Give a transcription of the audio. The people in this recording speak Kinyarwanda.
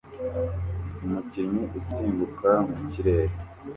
Umukinnyi usimbuka mu kirere